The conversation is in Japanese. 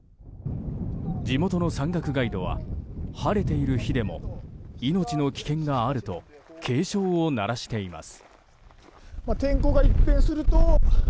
地元の山岳ガイドは晴れている日でも命の危険があると警鐘を鳴らしています。